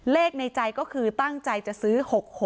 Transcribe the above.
ในใจก็คือตั้งใจจะซื้อ๖๖